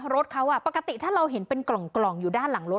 รถเขาปกติถ้าเราเห็นเป็นกล่องอยู่ด้านหลังรถ